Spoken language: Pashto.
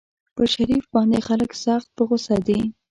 پر شريف باندې خلک سخت په غوسه دي.